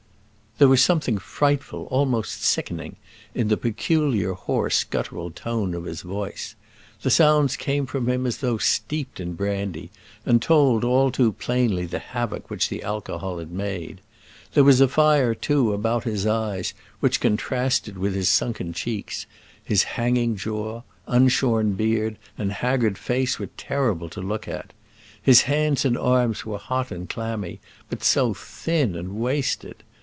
There was something frightful, almost sickening, in the peculiar hoarse guttural tone of his voice. The sounds came from him as though steeped in brandy, and told, all too plainly, the havoc which the alcohol had made. There was a fire too about his eyes which contrasted with his sunken cheeks: his hanging jaw, unshorn beard, and haggard face were terrible to look at. His hands and arms were hot and clammy, but so thin and wasted!